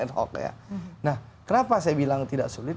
nah kenapa saya bilang tidak sulit